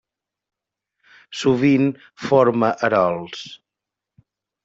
Sovint forma erols.